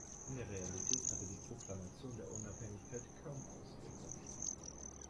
In der Realität hatte die Proklamation der Unabhängigkeit kaum Auswirkungen.